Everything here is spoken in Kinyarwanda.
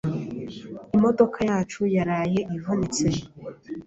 Imodoka yacu yaraye ivunitse.